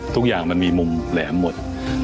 ทุกอย่างมันมีมุมแหลมหมด